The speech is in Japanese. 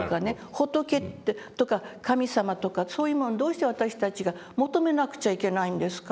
仏ってとか神様とかそういうものどうして私たちが求めなくちゃいけないんですか？」